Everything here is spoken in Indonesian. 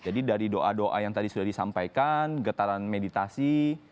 jadi dari doa doa yang tadi sudah disampaikan getaran meditasi